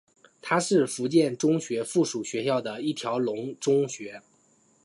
它是福建中学附属学校的一条龙中学。